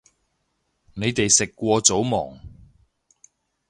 你哋食過早吂